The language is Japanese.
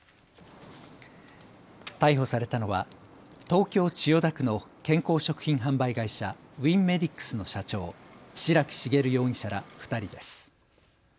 逮捕されたのは東京千代田区の健康食品販売会社ウィンメディックスの社長、白木茂容疑者ら２人です。